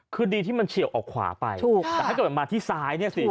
คือดีที่มันเฉียวออกขวาไปถูกแต่ถ้าเกิดมันมาที่ซ้ายเนี่ยสิ